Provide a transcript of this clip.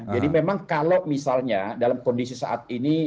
jadi memang kalau misalnya dalam kondisi saat ini